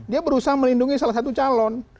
dia berusaha melindungi salah satu calon